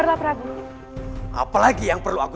tidak ada kolon yang ada